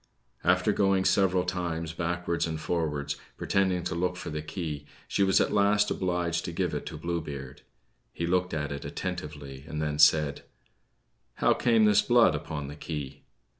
After going several times backwards and forwards, pretending to look for the key, she was at last obliged to give it to Blue Beard. He looked at it attentively, and then said: "How came this blood upon the key?"